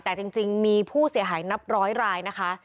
แต่จริงมีผู้เสียหายนับร้อยรายนะคะ